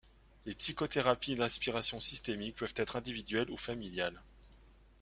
Les psychothérapies d'inspiration systémiques peuvent être individuelles ou familiales.